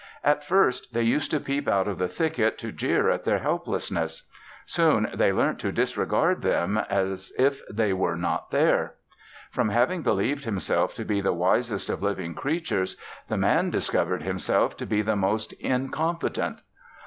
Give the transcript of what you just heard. At first they used to peep out of the thicket to jeer at their helplessness; soon they learnt to disregard them as if they were not there. From having believed himself to be the wisest of living creatures the Man discovered himself to be the most incompetent.